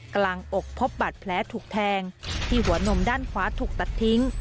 กำลังอกพบบัตรแผลถูกแทงที่หัวหนมด้านขวาถูกตัดทิ้ง